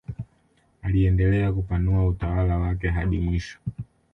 Aliendelea kupanua utawala wake na hadi mwisho